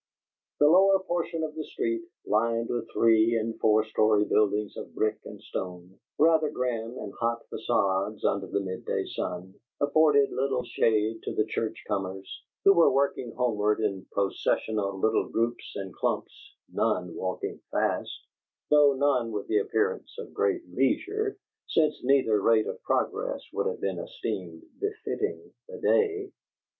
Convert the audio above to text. The lower portion of the street, lined with three and four story buildings of brick and stone, rather grim and hot facades under the mid day sun, afforded little shade to the church comers, who were working homeward in processional little groups and clumps, none walking fast, though none with the appearance of great leisure, since neither rate of progress would have been esteemed befitting the day.